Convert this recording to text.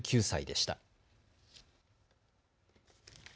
８９歳でした。